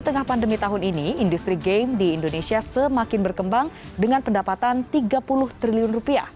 setengah pandemi tahun ini industri game di indonesia semakin berkembang dengan pendapatan tiga puluh triliun rupiah